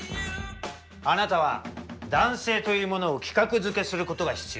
あなたは男性というものを規格づけすることが必要です。